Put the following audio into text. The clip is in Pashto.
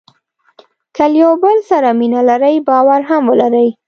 که له یو بل سره مینه لرئ باور هم ولرئ.